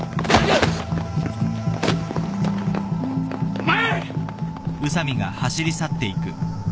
お前！